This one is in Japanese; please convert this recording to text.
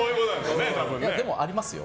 でも、ありますよ。